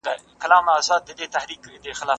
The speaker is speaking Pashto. د طلاق نتايج څه کيدلای سي؟